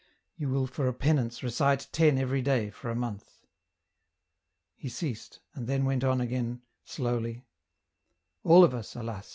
You will for a penance recite ten every day for a month." He ceased, and then went on again, slowly, " All of us, alas